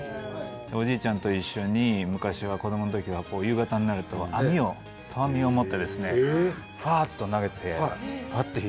おじいちゃんと一緒に昔は子どものときは夕方になると網を投網を持ってですねふわっと投げてええ！